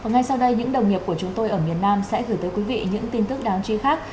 và ngay sau đây những đồng nghiệp của chúng tôi ở miền nam sẽ gửi tới quý vị những tin tức đáng truy khắc